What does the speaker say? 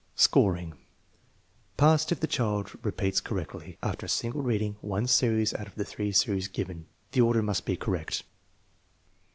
Scoring. Passed if the child repeats correctly, after a single reading, one series out of the three series given. The order must be correct.